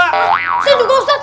saya juga ustadz